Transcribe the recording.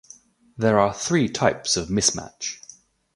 There are three types of mismatch.